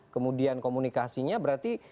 kemudian komunikasinya berarti